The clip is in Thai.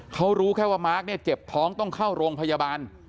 เขารู้แค่ว่ามาร์คเนี่ยเจ็บท้องต้องเข้าโรงพยาบาล